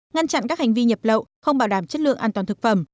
ngăn chặn các hành vi nhập lậu không bảo đảm chất lượng an toàn thực phẩm